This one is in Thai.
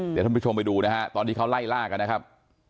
เดี๋ยวทุกไปดูนะฮะตอนนี้เขาไล่ลาก่อนนะครับ